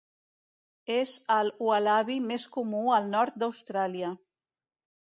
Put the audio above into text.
És el ualabi més comú al nord d'Austràlia.